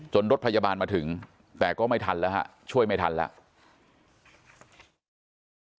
รถพยาบาลมาถึงแต่ก็ไม่ทันแล้วฮะช่วยไม่ทันแล้ว